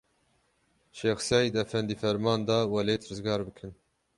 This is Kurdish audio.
Şex Seîd efendî ferman da, welêt rizgar bikin.